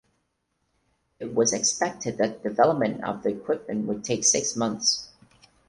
It was expected that development of the equipment would take six months.